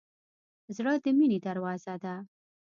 زړه د مینې دروازه ده.